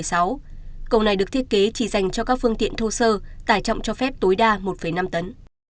cầu này được thiết kế chỉ dành cho các phương tiện thô sơ tải trọng cho phép tối đa một năm tấn